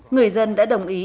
người dân đã đồng ý